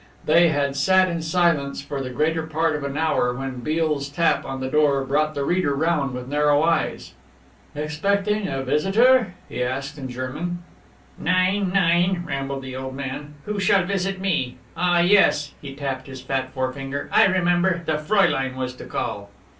They had sat in silence for the greater part of an hour, when Beale's tap on the door brought the reader round with narrow eyes. "Expecting a visitor, professor?" he asked in German. "Nein, nein," rambled the old man, "who shall visit me? Ah yes" he tapped his fat forefinger "I remember, the Fräulein was to call."